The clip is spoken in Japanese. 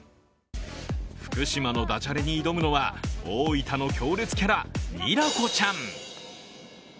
福島のダジャレに挑むのは大分の強烈キャラ、ニラ子ちゃん。